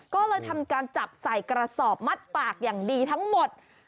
ก็เลยทำการจับใส่กระสอบมัดปากอย่างดีทั้งหมด